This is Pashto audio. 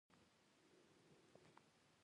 زه د علماوو درناوی کوم.